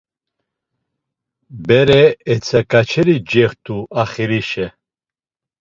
Bere etzoǩaçeri cext̆u axirişe.